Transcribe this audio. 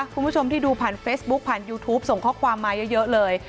คุณผู้ชมที่ดูผ่านเฟซบุ๊คผ่านยูทูปส่งข้อความมาเยอะเลย